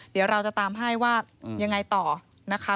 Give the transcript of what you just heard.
เดี๋ยวเราจะตามให้ว่ายังไงต่อนะคะ